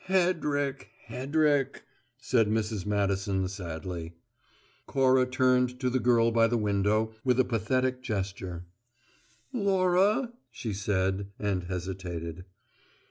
"Hedrick, Hedrick!" said Mrs. Madison sadly. Cora turned to the girl by the window with a pathetic gesture. "Laura " she said, and hesitated.